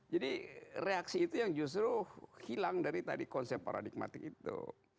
jadi reaksi itu yang justru hilang dari tadi konsep paradigmatik itu